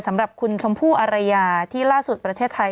สำหรับคุณชมพู่อารยาที่ล่าสุดประเทศไทย